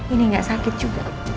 ini gak sakit juga